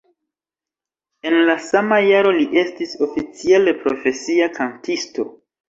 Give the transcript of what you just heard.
En la sama jaro li estis oficiale profesia kantisto.